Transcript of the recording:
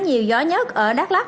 nhiều gió nhất ở đắk lắk